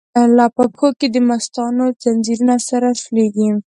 لا په پښو کی دمستانو، ځنځیرونه سره شلیږی